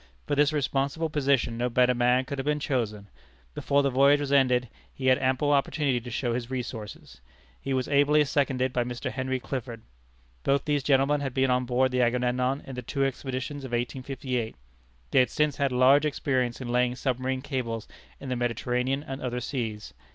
For this responsible position no better man could have been chosen. Before the voyage was ended, he had ample opportunity to show his resources. He was ably seconded by Mr. Henry Clifford. Both these gentlemen had been on board the Agamemnon in the two expeditions of 1858. They had since had large experience in laying submarine cables in the Mediterranean and other seas.